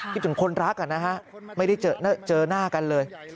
คิดถึงคนรักนะฮะไม่ได้เจอหน้ากันเลย